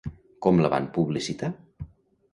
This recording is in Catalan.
Com la van publicitar?